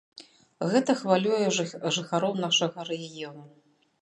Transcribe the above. Гэта хвалюе жыхароў нашага рэгіёну.